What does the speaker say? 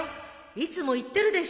いつも言ってるでしょ